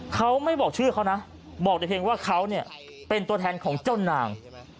เขาไม่บอกชื่อเขานะบอกแต่เพียงว่าเขาเนี่ยเป็นตัวแทนของเจ้านาง